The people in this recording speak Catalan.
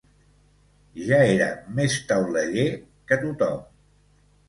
Ja era més tauleller que tot-hom.